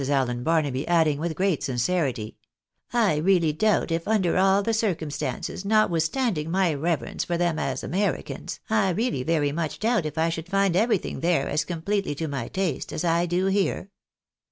Allen Barnaby, adding, with great sincerity, " I really doubt if, under all the circumstances, notwithstanding my reverence for them as Americans, I really very much doubt if I should find every thing there as completely to my taste as I do here."